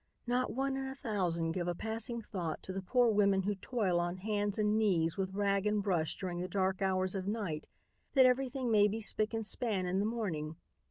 Not one in a thousand gives a passing thought to the poor women who toil on hands and knees with rag and brush during the dark hours of night that everything may be spick and span in the morning.